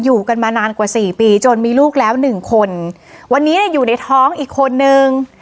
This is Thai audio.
อยู่กันมานานกว่าสี่ปีจนมีลูกแล้วหนึ่งคนวันนี้เนี่ยอยู่ในท้องอีกคนนึง